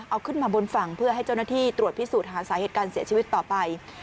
เอาขึ้นมาบนฝั่งเพื่อให้เจ้าหน้าที่ตรวจพิสูจน์หาสาเหตุการเสียชีวิตต่อไป